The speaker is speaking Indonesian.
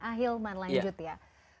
ahilman lanjut ya